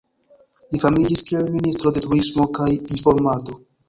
Li famiĝis kiel ministro de Turismo kaj Informado.